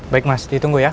baik mas ditunggu ya